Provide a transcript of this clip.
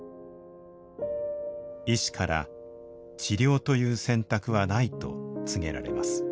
医師から「治療という選択はない」と告げられます。